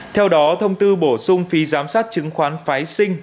theo đó thông tư bổ sung phí giám sát chứng khoán phái sinh